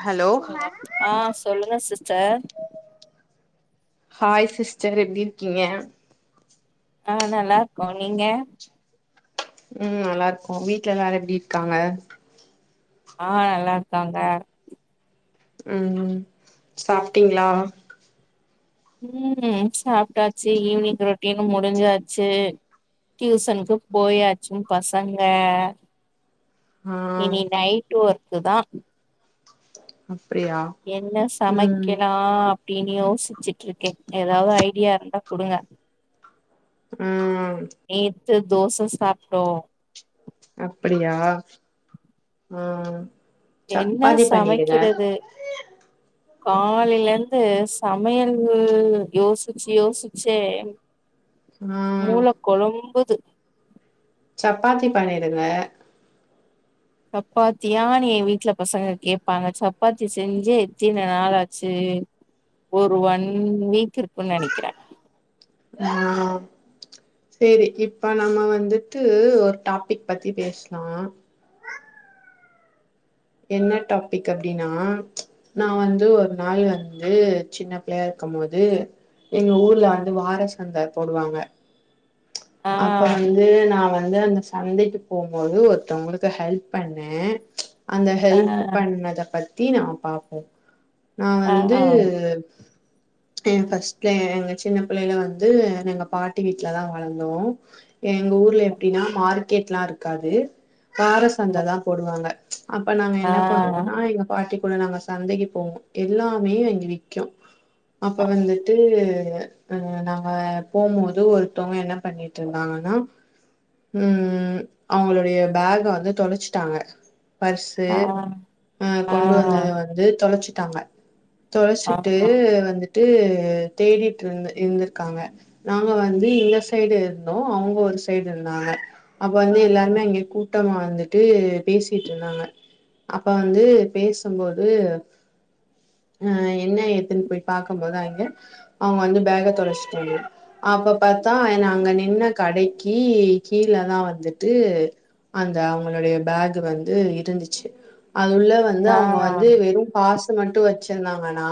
hello ஆ சொல்லுங்க sister hi sister எப்டி இருக்கீங்க ஆ நல்லா இருக்கோ நீங்க ம் நல்லா இருக்கோ வீட்ல எல்லாரு எப்டி இருக்காங்க ஆ நல்லா இருக்காங்க ம் ம் சாப்ட்டீங்களா ம் சாப்ட்டாச்சு ஈவினிங் ரொட்டீனு முடிஞ்சாச்சு டியூசனுக்கு போயாச்சு பசங்க ஆ இனி நைட்டு ஒர்க்குதா அப்டியா என்ன ம் சமக்கலா அப்படின்னு யோசிச்சுட்டு இருக்கே ஏதாவது ஐடியா இருந்தா கொடுங்க ம் நேத்து தோச சாப்டோம் அப்படியா உம் என்ன சப்பாத்தி பண்ணிடுங்க [inaudible] காலையிலர்ந்து சமையல்லு யோசிச்சு யோசிச்சே [unintelligible] ம் மூள கொழம்புது சப்பாத்தி பண்ணிடுங்க சப்பாத்தியானு எ வீட்ல பசங்க கேப்பாங்க சப்பாத்தி செஞ்செ எத்தன நாளாச்சு ஒரு ஒன் வீக் இருக்குன்னு நெனக்கிறே வாவ் சரி இப்ப நம்ம வந்துட்டு ஒரு டாபிக் பத்தி பேஸ்லா என்ன டாபிக் அப்டினா நா வந்து ஒரு நாள் வந்து சின்ன பிள்ளையா இருக்கும் போது எங்க ஊர்ல வந்து வார சந்த போடுவாங்க ஆ அப்ப வந்து நா வந்து அந்த சந்தக்கி போம்போது ஒருத்தவங்களுக்கு ஹெல்ப் பண்ணே அந்த ஆ ஹெல்ப் பண்ணத பத்தி நாம பாப்போ நா ஆ வந்து ஆ எ ஃபஸ்ட்ல எங்க சின்ன பிள்ளையில வந்து நாங்க பாட்டி வீட்லதா வளந்தோ எங்க ஊர் எப்டின்னா மார்க்கெட்லா இருக்காது வார சந்த தா போடுவாங்க அப்ப நாங்க ஆ ஆ என்ன பண்ணுவோனா எங்க பாட்டிகூட நாங்க சந்தக்கி போவோ எல்லாமே அங்க விக்கு அப்ப வந்துட்டு நாங்க போம்போது ஒருத்தொங்க என்ன பண்ணிட்ருந்தாங்கன்னா உம் அவங்களுடைய பேக்க வந்து தொலைச்சிட்டாங்க பர்ஸு ஆ ஆ கொண்டு வந்தத வந்து தொலச்சிட்டங்க தொலச்சிட்டு வந்து டு தேடிட்ருந் இருந்துருக்காங்க நாங்க வந்து யூ எஸ் சைட் இருந்தோ அவங்க ஒரு சைட் இருந்தாங்க அப்ப வந்து எல்லாருமே அங்க கூட்டமா வந்து ட்டு பேசிட்ருந்தாங்க அப்ப வந்து பேசும்போது அ என்ன ஏத்துன்னு போய் பாக்கபோது அங்க அவங்க வந்து பேக தொலச்சுட்டாங்க அவங்க பாத்தா என்ன அங்க நின்ன கடை க்கி கீழதா வந்துட்டு அந்த அவங்களுடைய பேக் வந்து இருந்துச்சு அதுள்ள ந்து ஆ அவங்க வந்து வெறு பாசு மட்டு வச்சிருந்தாங்கன்னா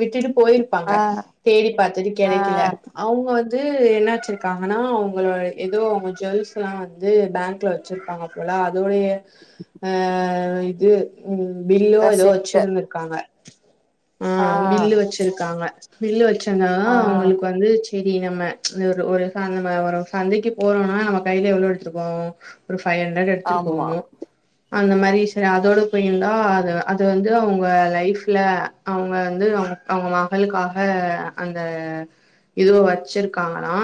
விட்டு போய்ருப்பாங்க ஆ தேடி பாத்துட்டு ஆ கெடக்கல அவங்க வந்து என்னாச்சு தாங்கன்னா அவங்களோட ஏதோ அவங்க ஜுவல்ஸ்ஸெல்லா வந்து பேங்க்ல வச்சிருப்பாங்க போல அதோடைய அ இது பில்லு ஏதோ ரெசிப்ட்டு வச்சிருந்திருக்காங்க ஆ பில்லு வச்சிருக்காங்க பில்லு வச்சிருந்தாதா ஆ அவங்களுக்கு வந்து செரி நம்ம இந்த ஒரு அந்தமாரி ஒரு சந்தக்கி போறோனா நம்ம கைல எவ்ளோ எடுத்துட்டுப்போவோ ஒரு ஃபைவ் ஹண்ட்ரட் எடுத்துட்டு ஆமா போவோ அந்த மாரி சரி அதோட போய்ந்தா அத அத வந்து அவ்ங்க லைஃப்ல அவ்ங்க வந்து அவ்ங்க அவ்ங்க மகளுக்காக அந்த இதுவா வச்சிருக்காங்களா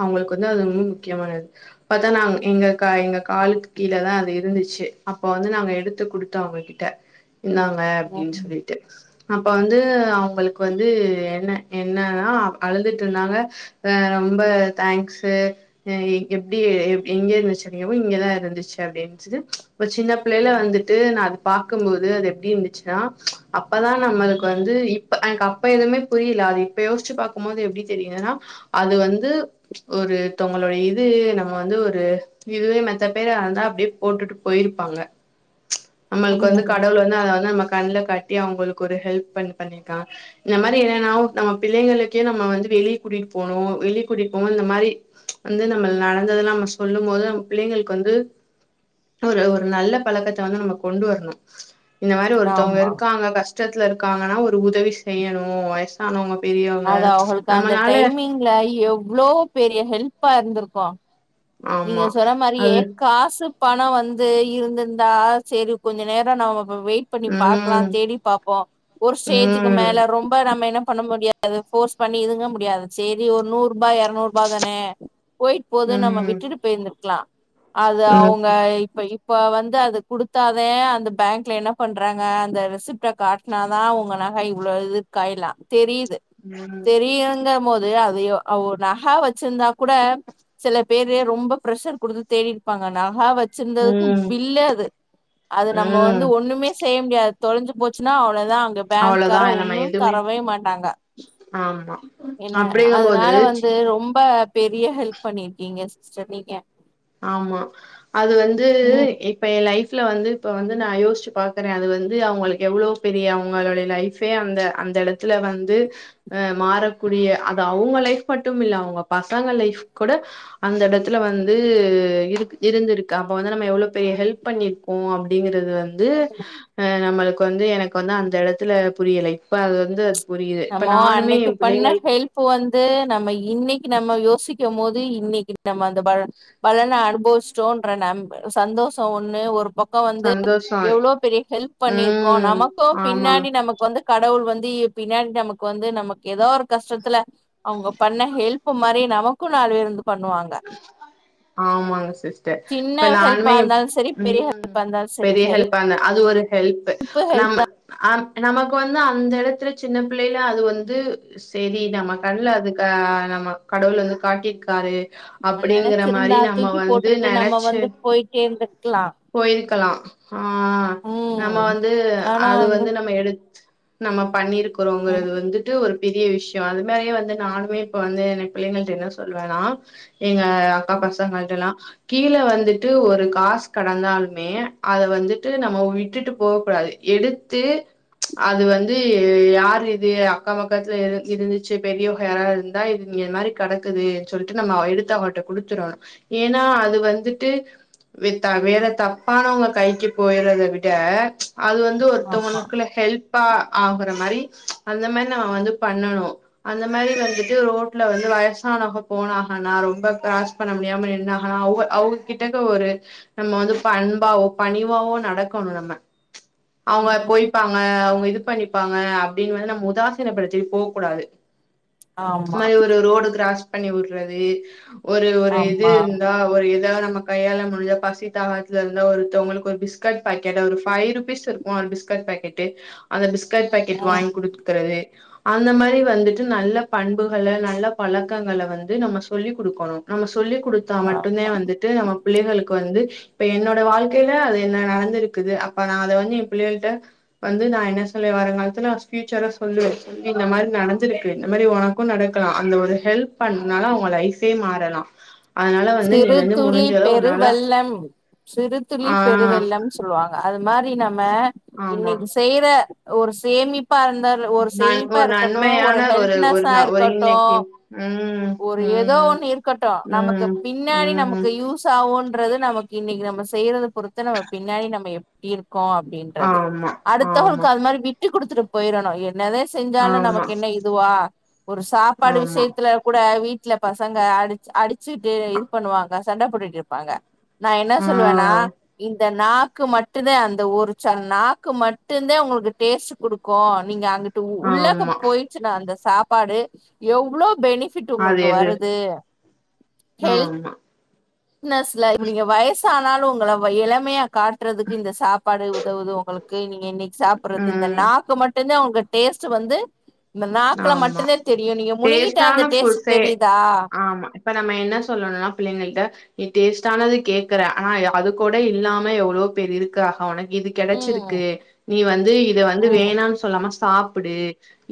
அவ்ங்களுக்கு வந்து அது ரொம்ப முக்கியமானது பாத்தா நாங் எங்க க எங்க காலுக்கு கீழதா அது இருந்துச்சு அப்ப வந்து நாங்க எடுத்து குடுத்தோ அவ்ங்கக்கிட்ட இந்தாங்க அப்டின் ம் சொல்லி ட்டு அப்ப வந்து அவ்ங்களுக்கு வந்து என்ன என்னன்னா அழுதுட்ருந்தாங்க ஆ ரொம்ப தேங்க்ஸு ஆ இங்க எப்டி எப் எங்கேர்ந்துச்சு அப்டிங்கபோது இங்கதா இருந்துச்சு அப்டின்ட்டு ஒரு சின்ன புள்ளைய்ல வந்துட்டு நா அது பாக்கும்போது அது எப்டி இருந்துச்சுன்னா அப்பதா நம்மளுக்கு வந்து இப் ப எனக்கு அப்ப எதுமே புரியெல அது இப்ப யோசிச்சு பாக்கும்போது எப்டி தெரியுதுன்னா அது வந்து ஒரு தோங்களோட இது நம்ம வந்து ஒரு இதுவே மெத்த பேர் இருந்தா அப்டியே போட்டுட்டு போயிருப்பாங்க நம்மளுக்கு வந்து ம் கடவுள் வந்து அத வந்து நம்ம கண்ல காட்டி அவ்ங்களுக்கு ஒரு ஹெல்ப் பண்ண பண்ணிருக்கா இந்த மாரி என்னன்னா ஒருத்தங்க பிள்ளைங்களுக்கே நம்ம வந்து வெளிய கூட்டிட் போணோ வெளிய கூட்டிட் போம்போ இந்த மாரி வந்து நம்ம நடந்ததெல்லா நம்ம சொல்லும் போது நம்ம பிள்ளைங்களுக்கு வந்து ஒரு ஒரு நல்ல பழக்கத்த வந்து நம்ம கொண்டு வர்ணு இந்த மாரி ஒருத்தவ்ங்க ஆமா இருக்காங்க கஷ்டத்துல இருக்காங்கன்னா ஒரு உதவி செய்யணு வைஸ் சானவங்க பெரியவங்க நம்மனால ல எவ்ளோ பெரிய ஹெல்ப்பா இருந்துருக்கோ நீங்க ஆமா சொன்ன மாரியே அது காசு பணொ வந்து இருந்துருந்தா சேரி கொஞ்ச நேரொ நம்ம வெயிட் பண்ணி பாக்லா ம் தேடி பாப்போ ஒரு ஸ்டேஜுக்கு ம் மேல ரொம்ப நம்ம என்ன பண்ண முடி து ஃபோர்ஸ் பண்ணி இதுங்க முடியாது சேரி ஒரு நூற் பா எரநூறுபா தானே போயிட்டு போது நம்ம ம் விட்டுட்டு போய்ருந்த்ருக்லா அத ம் அவ்ங்க இப்ப இப்ப வந்து அத குடுத்தாதே அந்த பேங்க்ல என்ன பண்றாங்க அந்த ரெசிப்ட்ட காட் னாதா உங்க நக இவ்ளோ இது காய்லா தெரிய்து ம் தெரியுங்க போது அதயு அவு ஒரு நக வச்சிருந்தாக் கூட சில பேரு ரொம்ப ப்ரஷர் குடுத்து தேடிருப்பாங்க நக வ சிருந்ததுக்கு ம் பில்லே அது அது நம்ம வந்து ம் ஒண்ணுமே செய்ய முடியாது தொலஞ்சு போச்சுன்னா அவ்ளொதா அங்க அவ்ளோதா பேங்க்கார நம்ம ஒன்னு எதுவுமே தரவே மாட்டாங்க ஆமா என்ன அப்டிங்கும்போது அதனால சி வந்து ரொம்ப பெரிய ஹெல்ப் பண்ணிருக்கீங்க சிஸ்டர் நீங்க ஆமா அது வந்து ம் எ ப்ப ஏ லைஃப்ல வந்து இப்ப வந்து நா யோஷ்ச்சு பாக்குற அது வந்து அவுங்களுக்கு எவ்ளோ பெரிய அவுங்களுடைய லைஃப் பயே அந்த அந்த எடத்துல வந்து ஆ மாறக்கூடிய அது அவுங்க லைஃப் மட்டும் இல்ல அவுங்க பசங்க லைஃப் கூட அந்தெடத்துல வந்து து இருக் இருந்துருக்கு அப்ப வந்து நம்ம எவ்ளோ பெரிய ஹெல்ப் பண்ணிர்க்கோ அப்டிங்கிற து வந்து அ நம்மளுக்கு வந்து எனக்கு வந்து அந்த எடத்துல புரியல இப்ப அத வந்து புரியிது இப்ப நானுமே ஏப் பிள்ளைங்கள் இப்போ வந்து நம்ம இன்னக்கி நம்ம யோசிக்கம் போது இன்னக்கி நம்ம அந்த பல பலன அனுபவிச்சிட்டோன்ற நம் சந்தோஷொ ஒன்னு ஒரு பக் கொ வந்து சந்தோஷோ எவ்ளோ பெரிய ஹெல்ப் பண்ணிருக்கோ ம் நமக்கு ஆமாங்க பின்னாடி நமக் வந்து கடவுள் வந்து பின்னாடி நமக்கு வந்து நமக்கு எதோ ஒரு கஷ்டத்துல அவுங்க பண்ண ஹெல்ப் மாரி நமக்கு நாலு பேரு வந்து பண்ணுவாங்க ஆமாங்க சிஸ்டர் சின்ன இப்ப ஹெல்ப்பா நானுமே இருந்தாலும் சரி பெரிய ம் ஹெல்ப்பா இருந்தாலும் சரி பெரிய ஹெல்ப் பண்ண அது ஒரு ஹெல்ப் நம்ம அ நமக்கு வந்து அந்த இடத்துல சின்ன பிள்ளைல அது வந்து செரி நம்ம கண்ல அதுக்க நம்ம கடவுள் வந்து காட்டிக்காரு நம்ம நெனச்சிருந்தா தூக்கி போட்டுட்டு நம்ம வந்து போயிட்டே இருந்துருக்கலா போயிர்க்கலா ஆ நம்ம ம் வந்து அது வந்து நம்ம எடு நம்ம பண்ணி ம் இருக்கறொங்கறது வந்து இது ஒரு பெரிய விஷ்யோ அது மாரியே வந்து நானுமே இப்ப வந்து எ பிள்ளைங்க கிட்ட என்ன சொல்லுவன்னா எங்க அக்கா ம் பசங்கலெட்டல்லா கீழ வந்துட்டு ஒரு காசு கடந்தாலுமே அத வந்துட்டு நம்ம விட்டுட்டு போக கூடாது எடுத்து அது வந்து யார் இது அக்கம் பக்கத்துல இரு இருந்திச்சி பெரியவங்க யாராவது இதா இங்க இது மாரி கெடக்குது சொல்லிட்டு நம்ம எடுத்து அவாட்ட குடுத்துடோணு ஏன்னா அது வந்துட்டு வெத் தா வேற தப்பானவுங்க கைக்கு போயறத விட அது வந்து ஆமா ஒருத்தவங்களுக்குள்ள ஹெல்ப் ப்பா ஆகுற மாரி அந்த மாரி நம்ம வந்து பண்ணணு அந்த மாரி வந்துட்டு ரோட்ல வந்து வயசானவக போனாங்கன்னா ரொம்ப காஸ் இப்ப நம்ம நம்ம என்னாங்கனா அவ்க அவுங்ககிட்ட ஒரு நம்ம வந்து பண்பாவோ பணிவாவோ நடக்கணு நம்ம அவுங்கள ம் போய் ப்பாங்க அவுங்க இது பண்ணிப்பாங்க அப்டினு வந்து நம்ம உதாசீனப்படுத்திட்டு போ கூடாது இது ஆமா மாரி ஒரு ரோடு கிராஸ் பண்ணி உடுறது ஒரு ஒரு இது ஆமா இருந்தா ஒரு எதாவது நம்ம கையாள முடிஞ்ச பசி தாகத்ல இருந்தா ஒருத்தவங்களுக்கு ஒரு பிஸ்கட் பாக்கெட் ஒரு ஃபைவ் ருபீஸ் இருக்குமா ஒரு பிஸ்கட் பாக்கெட்டு அந்த பிஸ்கட் பாக்கெட் ம் வாங்கி குடுக்கறது அந்த மாரி வந்துட்டு நல்ல பண்புகள நல்ல பழக்கங்கள வந்து நம்ம சொல்லிக் கொடுக்கணு நம்ம சொல்லிகுடுத் தா மட்டுந்தே ஆமா வந்துட்டு நம்ம பிள்ளைகளுக்கு வந்து இப்ப என்னோட வாழ்க்கையில அது என்ன நடந்திருக்குது அப்ப நா அத வந்து என் பிள்ளைல்ட்ட வந்து நா என்ன சொல்லுவே வருங்காலத்துல பியூச்சர சொல்லுவே சொல்லி இந்த மாரி நடந்திருக்கு இந்த மாரி ஒனக் எதுவு நடக்கலா அந்த ஒரு ஹெல்ப் பண்ணனால அவுங்க லைஃபே மாறலா அதனால வந்து நீ வந்து சிறுதுளி முடிஞ்சளவு பெரு உன்னால வெள்ளம் சிறு துளி ஆ பெருவெள்ளம்னு சொல்லுவாங்க அது மாரி நம்ம ஆமா இன்னைக் செய்ற ஒரு சேமிப்பா இருந்தா ஒரு நான் சேமிப்பா ஒரு இருக்கட்டு ஒரு நன்மையான ஒரு ஹெல்ப்னஸா நா ஒரு இருக்கட்டு இன்னைக்கு ம் ஒரு ஏதோ ம் ஒண்ணு இருக் கட்டு நமக்கு ம் பின்னாடி ம் நமக்கு யூஸ் யூஸ் ஆகுன்றது நமக்கு இன்னைக்கி நம்ம செய்யறத பொறுத்து நம்ம பின்னாடி நம்ம எப்டி இருக் கோ அப்டின்றது ஆமா ஆமா அடுத்தவங்களுக்கு அது மாரி விட்டு குடுத்துட்டு போயிறணு என்னதே செஞ்சாலு ஆமா நமக்கு என்ன இதுவா ஒரு சாப்பாடு ஆமா விஷயத்துல கூட வீட் வீட்ல பசங்க அடி அடிச்சுட்டு இது பண்ணுவாங்க சண்டை போட்டுட்டு இருப்பாங்க நா என்ன ஆ சொல்லுவேன்னா இந்த நாக்கு மட்டு்ந்தா அந்த ஒரு சில நாக்கு மட்டுந்தா உங்களுக்கு டேஸ்ட் குடுக்கு நீங்க அங்க உள்ளாக்க ஆமா போயிர்ச்சுனா அந்த சாப்பாடு எவ்ளோ பெனிஃபிட் அது உங்களுக்கு எது வருது ஆமா பிட்னஸ்ல இப்ப நீங்க வயசு ஆனாலு உங்கள இளமையா காட்டுறதுக்கு இந்த சாப்பாடு உதவுது உங்களுக்கு நீங்க இன்னைக் சாப்புட்றது இந்த ம் நாக்கு மட்டுந்தா உங்க டேஸ்ட்டு வந்து இந்த நாக்குல ஆமா மட்டுந்தா தெரியு நீங்க முனுங்கிட்ட டேஸ்டான அந்த டேஸ்ட்டு ஃபுட்ஸே தெரியிதா ஆமா இப்ப நம்ம என்ன சொல்லணுன்னா புள்ளைங்ககிட்ட நீ டேஸ்ட்டானது கேக்குற ஆனா அது கூட இல்லாம எவ்ளோ பேரு இருக்காக ஒனக் இது ம் கெடச்சிருக்கு நீ வந்து இத வந்து ம் வேணான் சொல்லாம சாப்புடு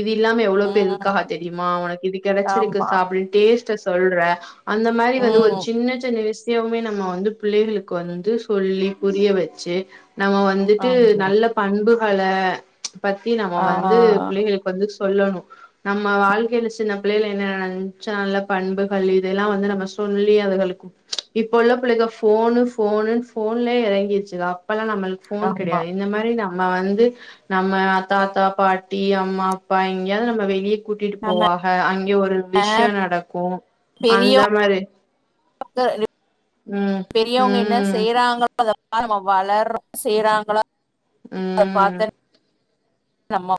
இது இல்லாம எவ்ளோ பேரு ம் இருங்காக தெரியுமா ஒனக் இது கெடச்சிர்க்கு ஆமா சாப்ட [unintelligible] டேஸ்ட்ட சொல்ற அந்த மாரி வந்து ஒரு ம் சின்ன சின்ன விஷ் சியோமே நம்ம வந்து புள்ளைகளுக்கு வந்து சொல்லி புரிய வெச்சு நம்ம வந் துட்டு ஆமா நல்ல பண்புகளா பத்தி நம்ம ஆ வந்து புள்ளைகளுக்கு வந்து சொல்லணு நம்ம வாழ்க்கையில சின்ன பிள்ளைல என்ன நடந்ச் நல்ல பண்புகள் இது எல்லா வந்து நம்ம சொல்லி அதுகளுக்கு இப்ப உள்ள பிள்ளைக ஃபோனு ஃபோனுன் ஃபோன்லே எறங்கிர்ச்சுக அப்பல்லா நம்மள்க் ஃபோன் ஆமா கெடயாது இந்த மாரி நம்ம வந்து நம்ம தாத்தா பாட்டி அம்மா பா எங்யாவ்து நம்ல வெளிய கூட்டிட்டு நம்ம போவாஹ அங்யு ஒரு விஷ்யோ நடக்கும் அந்த மாரி [unintelligible] ம் பெரியவுங்க என்ன ம் செய்றாங்க அத பாத் நம்ம வளர்ரோ செய்றாங்ளா அத ம் பாத்தனே நம்மோ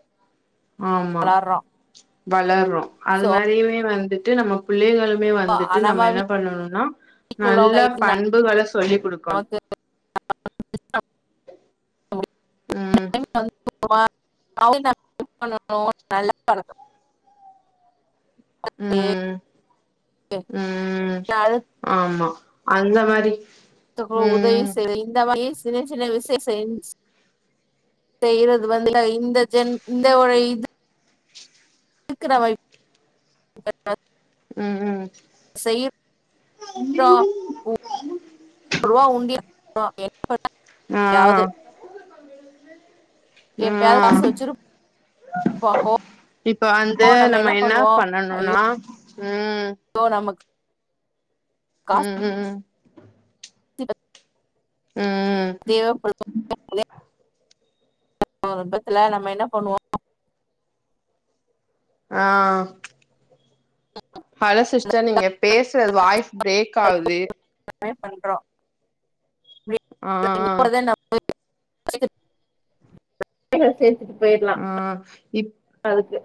வளர்றோ வளர்றோ அது சோ மாரியுமே வந்துட்டு நம்மக் பிள்ளைகள்மே வந்துட்டு நம்ம என்ன பண்ணணுன்னா நல்ல பண்புகள சொல்லி் குடுக் அது வந்துட்டு [unintelligible] ம் நல்லதுமா அவன் ஹெல்ப் பண்ணும் நல்ல பழக்கம் ம் ம் [unintelligible] ஆமா அந்த மாரி துக்கோ உதவி ம் செய் இந்த மாரி சின்ன சின்ன விஷ்ய செய் செய்யறது வந்து இந்த ஜென் [unintelligible] இந்த ஒரு இது க்குற வாய்ப் ம் ம் செய் [unintelligible] அப்புறம் [unintelligible] ஒருவா உண்டியல் பா [unintelligible] என்ன ஆ பண்றது எப்யாவ்து ம் எப்பயாவது ஆ காசு வச்சிருப்போம் இப்ப வந்து போ நம்ம என்ன என்னா பண்ணுவோம் பண்ணணுனா ஊ போ நமக்கு ம் ம் தீபத் ம் தேவப்படுத் ஒர் விபத்துல நம்ம என்ன பண்வோ ஆ ஹலோ சிஸ்டர் நீங்க பேஸ்றது வாய்ஸ் ப்ரேக் ஆவுது ட்ரை பண்றோ [unintelligible] ஆ இப்பதா நம்ம [unintelligible] சேத்துட்டு போய்ர்லா ஆ இப் அதுக்கு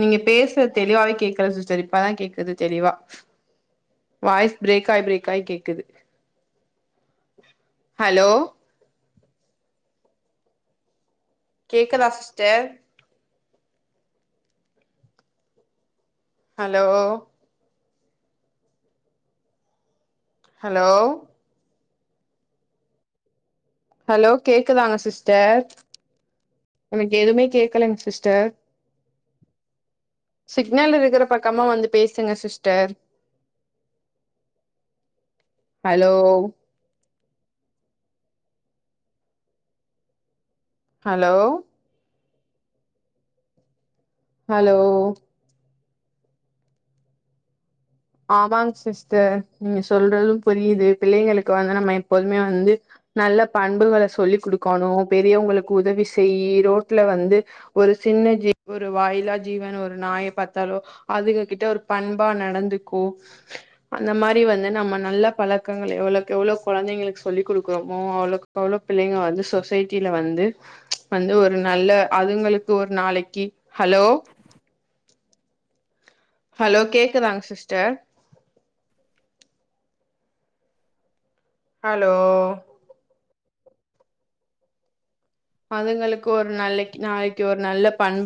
நீங்க பேஸ்றது தெளிவாவே கேக்கள சிஸ்டர் இப்ப தா கேக்குது தெளிவா வாய்ஸ் ப்ரேக் ஆய் ப்ரேக் ஆய் கேக்குது ஹலோ கேக்கதா சிஸ்டர் ஹலோ ஹலோ ஹலோ கேக்குதாங்க சிஸ்டர் நமக் எதுவுமே கேக்கலங் சிஸ்டர் சிக்னல் இருக்கிற பக்கமா வந்து பேசுங்க சிஸ்டர் ஹலோ ஹலோ ஹலோ ஆமாங் சிஸ்டர் நீங்க சொல்றதும் புரியுது பிள்ளைங்களுக்கு வந்து நம்ம எப்போதுமே வந்து நல்லப் பண்புகள சொல்லி்க் குடுக்கோணு பெரியவுங்களுக்கு உதவி செய் ரோட்ல வந்து ஒரு சின்ன ஜீ ஒரு வாயில்லா ஜீவன் ஒரு நாயப் பாத்தாலோ அதுக கிட்ட ஒருப் பண்பா நடந்துக்கோ அந்த மாரி வந்து நம்ம நல்லப் பழக்கங்கள எவ்ளோக்கெவ்ளோ கொழந்தைங்களுக்கு சொல்லி் குடுக்குறோமோ அவ்ளோக் கவ்ளோ பிள்ளைங்க வந்து சொசைட்டில வந்து வந்து ஒரு நல்ல அதுங்களுக்கு ஒரு நாளைக்கி ஹலோ ஹலோ கேக்குதாங் சிஸ்டர் ஹலோ அதுங்களுக்கு ஒரு நல்லக்கி நாளைக்கி ஒரு நல்லப் பண்பு